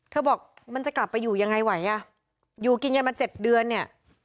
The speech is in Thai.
บอกมันจะกลับไปอยู่ยังไงไหวอ่ะอยู่กินกันมาเจ็ดเดือนเนี่ย